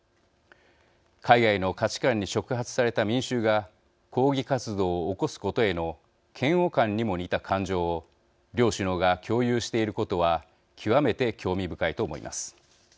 海外の価値観に触発された民衆が抗議活動を起こすことへの嫌悪感にも似た感情を両首脳が共有していることは極めて興味深いと思います。